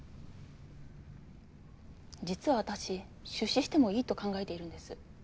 実は私出資してもいいと考えているんです。